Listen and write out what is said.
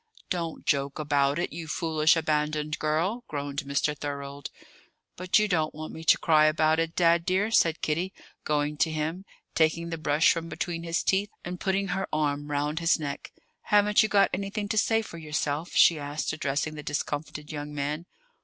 '" "Don't joke about it, you foolish, abandoned girl!" groaned Mr. Thorold. "But you don't want me to cry about it, Dad dear," said Kitty, going to him, taking the brush from between his teeth, and putting her arm round his neck. "Haven't you got anything to say for yourself?" she asked, addressing the discomfited young man.